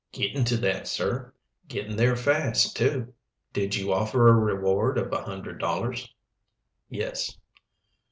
"Gettin' to that, sir; gettin' there fast, too. Did you offer a reward of a hundred dollars?" "Yes."